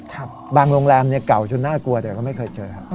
บางโรงแรมเนี่ยเก่าจนน่ากลัวแต่ก็ไม่เคยเจอครับ